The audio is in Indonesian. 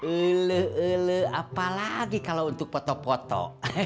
eleh eleh apalagi kalau untuk foto foto